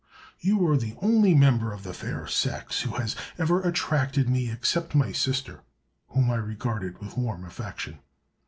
You are the only member of the fair sex who has ever attracted me except my sister, whom I regarded with warm affection.